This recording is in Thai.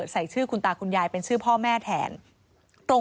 โปรดติดตามต่างกรรมโปรดติดตามต่างกรรม